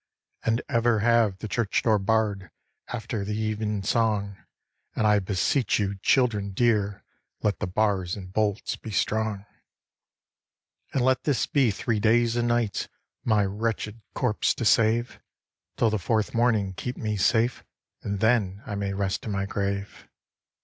`And ever have the church door barr'd After the even song; And I beseech you, children dear, Let the bars and bolts be strong. 'And let this be three days and nights My wretched corpse to save; Till the fourth morning keep me safe, And then I may rest in my grave.'